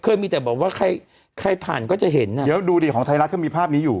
เคยมีแต่บอกว่าใครใครผ่านก็จะเห็นอ่ะเดี๋ยวดูดิของไทยรัฐก็มีภาพนี้อยู่